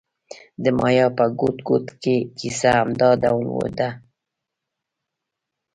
د مایا په ګوټ ګوټ کې کیسه همدا ډول ده.